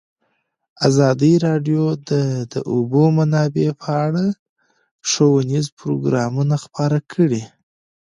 ازادي راډیو د د اوبو منابع په اړه ښوونیز پروګرامونه خپاره کړي.